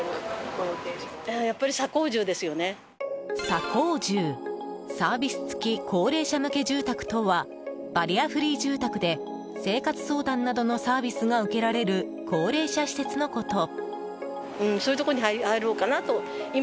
サ高住、サービス付き高齢者向け住宅とはバリアフリー住宅で生活相談などのサービスが受けられる、高齢者施設のこと。